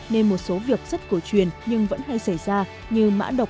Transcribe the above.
nên một số việc rất cổ truyền nhưng vẫn hay xảy ra